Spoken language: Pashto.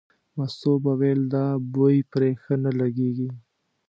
مستو به ویل دا بوی پرې ښه نه لګېږي.